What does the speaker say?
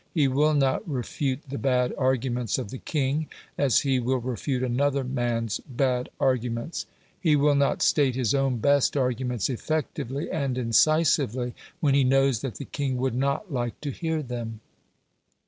He will not refute the bad arguments of the king as he will refute another man's bad arguments. He will not state his own best arguments effectively and incisively when he knows that the king would not like to hear them.